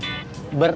boleh dua atau bertiga